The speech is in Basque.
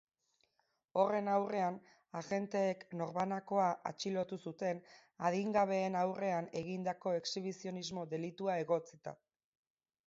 Horren aurrean, agenteek norbanakoa atxilotu zuten adingabeen aurrean egindako exhibizionismo-delitua egotzita.